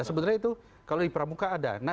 sebenarnya itu kalau di pramuka ada